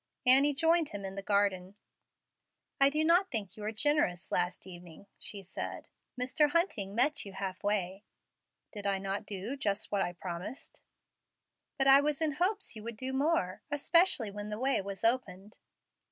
Annie joined him in the garden. "I do not think you were generous last evening," she said. "Mr. Hunting met you half way." "Did I not do just what I promised?" "But I was in hopes you would do more, especially when the way was opened."